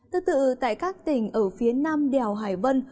tương tự tại các tỉnh ở phía nam đèo hải vân